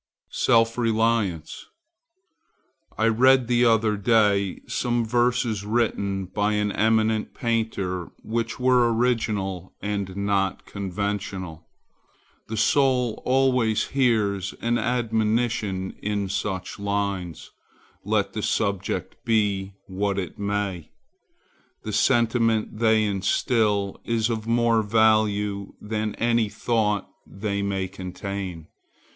SELF RELIANCE I read the other day some verses written by an eminent painter which were original and not conventional. The soul always hears an admonition in such lines, let the subject be what it may. The sentiment they instil is of more value than any thought they may contain.